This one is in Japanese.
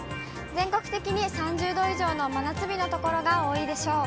全国的に３０度以上の真夏日の所が多いでしょう。